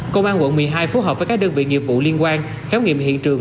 công an quận một mươi hai phối hợp với các đơn vị nghiệp vụ liên quan khám nghiệm hiện trường